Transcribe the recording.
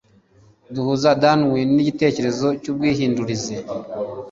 Duhuza Darwin nigitekerezo cyubwihindurize.